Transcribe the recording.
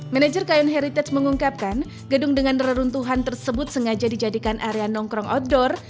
manager kayun heritage mengungkapkan gedung dengan reruntuhan tersebut sengaja dijadikan area nongkrong outdoor